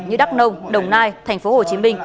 như đắk nông đồng nai tp hcm